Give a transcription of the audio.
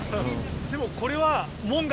でもこれは。